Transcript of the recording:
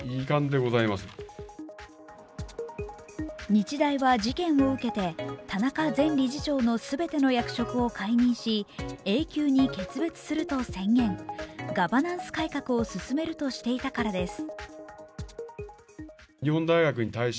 日大は事件を受けて、田中前理事長の全ての役職を解任し、永久に決別すると宣言、ガバナンス改革を進めるとしていたからです。